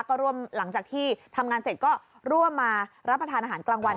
ก็ร่วมหลังจากที่ทำงานเสร็จก็ร่วมมารับประทานอาหารกลางวัน